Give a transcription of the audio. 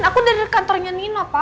aku dari kantornya nino pak